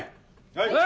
はい！